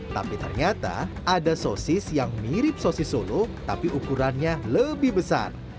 tapi ternyata ada sosis yang mirip sosis solo tapi ukurannya lebih besar